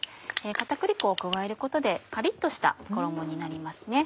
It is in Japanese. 片栗粉を加えることでカリっとした衣になります。